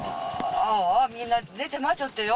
ああみんな出て待ちよってよ